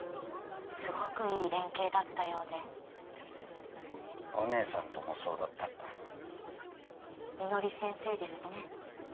すごくいい連携だったようでお姉さんともそうだったみのり先生ですね